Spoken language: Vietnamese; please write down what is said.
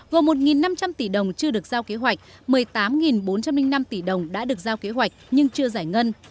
gồm một năm trăm linh tỷ đồng chưa được giao kế hoạch một mươi tám bốn trăm linh năm tỷ đồng đã được giao kế hoạch nhưng chưa giải ngân